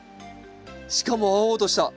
しかも青々とした。